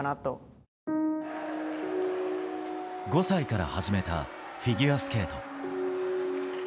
５歳から始めたフィギュアスケート。